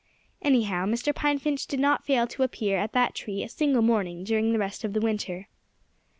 Anyhow, Mr. Pine Finch did not fail to appear at that tree a single morning during the rest of the winter.